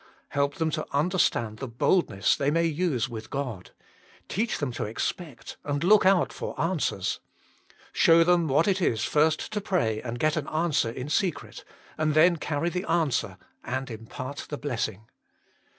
Help them to understand the boldness they may use with God. Teach them to expect and look out for answers. Show them what it is first to pray and get an answer in secret, and then carry the answer and impart the blessing.